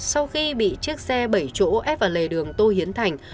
sau khi bị chiếc xe bảy chỗ ép vào lề đường tô hiến thành